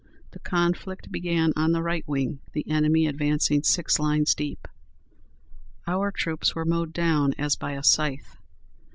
The conflict began on the right wing, the enemy advancing six lines deep. Our troops were mowed down as by a scythe.